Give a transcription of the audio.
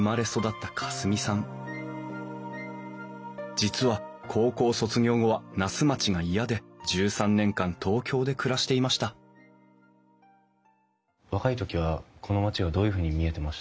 実は高校卒業後は那須町が嫌で１３年間東京で暮らしていました若い時はこの町がどういうふうに見えてました？